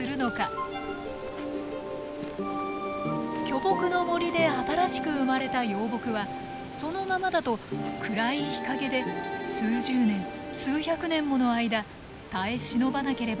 巨木の森で新しく生まれた幼木はそのままだと暗い日陰で数十年数百年もの間耐え忍ばなければなりません。